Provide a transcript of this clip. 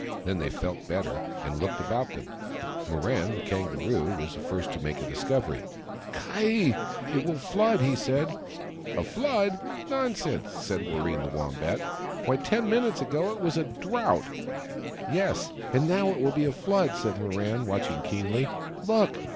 Then they felt better, and looked about them. Mirran, the Kangaroo, was the first to make a discovery. " Ky ! It will be a flood !" said he. " A flood — nonsense !" said Warreen, the Wombat. " Why, ten minutes ago it was a drought !"" Yes, and now it will be a flood," said Mirran, watching keenly. " Look